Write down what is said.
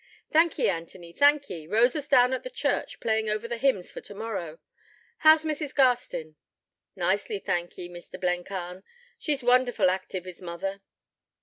'Thank ye, Anthony, thank ye. Rosa's down at the church, playing over the hymns for tomorrow. How's Mrs. Garstin?' 'Nicely, thank ye, Mr. Blencarn. She's wonderful active, is mother.'